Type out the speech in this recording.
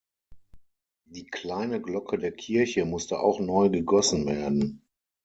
Die kleine Glocke der Kirche musste auch neu gegossen werden.